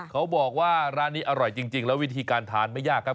เขาบอกว่าร้านนี้อร่อยจริงแล้ววิธีการทานไม่ยากครับ